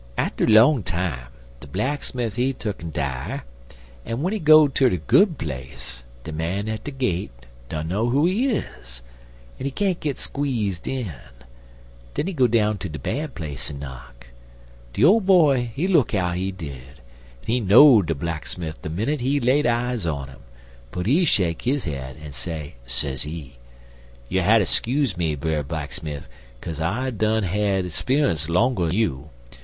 Atter 'long time, de blacksmif he tuck'n die, en w'en he go ter de Good Place de man at de gate dunner who he is, en he can't squeeze in. Den he go down ter de Bad Place, en knock. De Ole Boy, he look out, he did, en he know'd de blacksmif de minnit he laid eyes on 'im; but he shake his head en say, sezee: "'You'll hatter skuze me, Brer Blacksmif, kase I dun had 'speunce 'longer you.